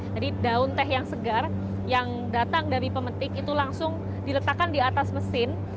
jadi daun teh yang segar yang datang dari pemetik itu langsung diletakkan di atas mesin